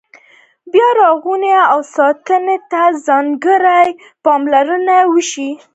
بیا رغونې او ساتنې ته ځانګړې پاملرنه وشي.